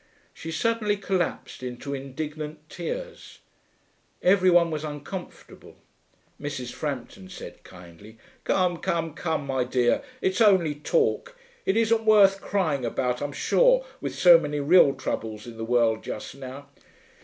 She suddenly collapsed into indignant tears. Every one was uncomfortable. Mrs. Frampton said kindly, 'Come, come, my dear, it's only talk. It isn't worth crying about, I'm sure, with so many real troubles in the world just now.'